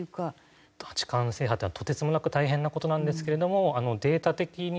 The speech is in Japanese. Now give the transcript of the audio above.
八冠制覇っていうのはとてつもなく大変な事なんですけれどもデータ的に見て。